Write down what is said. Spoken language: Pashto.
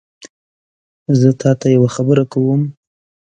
زه تاته یوه خبره کوم